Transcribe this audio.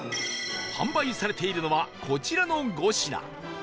販売されているのはこちらの５品